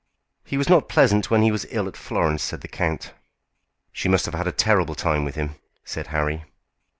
"He was not pleasant when he was ill at Florence," said the count. "She must have had a terrible time with him," said Harry.